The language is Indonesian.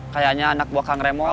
kayaknya anak buah kang remol